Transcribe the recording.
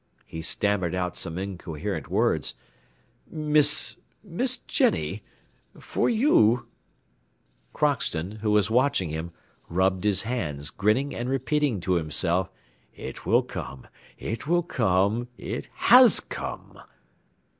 He stammered out some incoherent words: "Miss Miss Jenny for you " Crockston, who was watching him, rubbed his hands, grinning and repeating to himself: "It will come! it will come! it has come!"